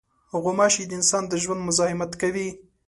غوماشې د انسان د ژوند مزاحمت کوي.